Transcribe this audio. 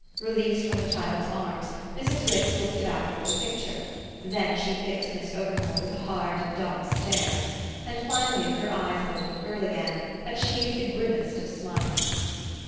Released from the child's arms Mrs. Wix looked about for the picture; then she fixed Miss Overmore with a hard dumb stare; and finally, with her eyes on the little girl again, achieved the grimmest of smiles.